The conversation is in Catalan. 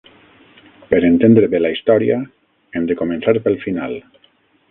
Per entendre bé la història, hem de començar pel final.